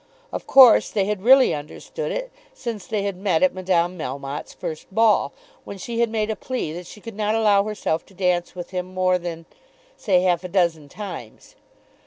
Of course they had really understood it, since they had met at Madame Melmotte's first ball, when she had made a plea that she could not allow herself to dance with him more than, say half a dozen times.